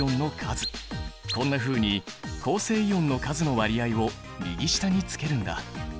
こんなふうに構成イオンの数の割合を右下につけるんだ。